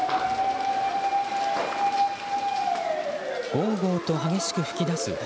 ごうごうと激しく噴き出す炎。